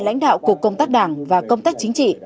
lãnh đạo cục công tác đảng và công tác chính trị